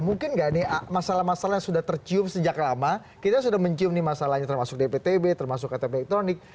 mungkin nggak nih masalah masalah yang sudah tercium sejak lama kita sudah mencium nih masalahnya termasuk dptb termasuk ktp elektronik